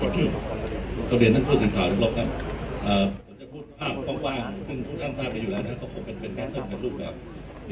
ตรงเดียนท่านผู้สินค้าทุกคนครับผมจะพูดภาพความว่างซึ่งทุกท่านทราบนี้อยู่แล้วนะครับก็คงเป็นการเทิดเป็นรูปแบบ